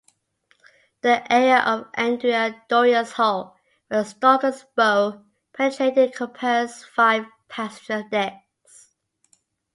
The area of "Andrea Doria"s hull where "Stockholm"s bow penetrated encompassed five passenger decks.